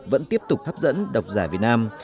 vẫn tiếp tục hấp dẫn đọc giải việt nam